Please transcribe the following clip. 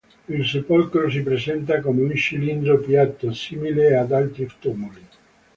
Il sepolcro si presenta come un cilindro piatto, simile ad altri tumuli.